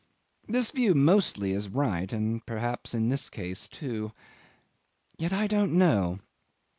This view mostly is right, and perhaps in this case too. ... Yet I don't know.